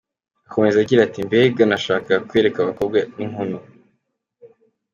Akomeza agira ati” Mbega nashakaga kwereka abakobwa, n’inkumi.